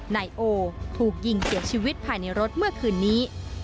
นายโอถูกยิงเสียชีวิตภายในรถเมื่อคืนนี้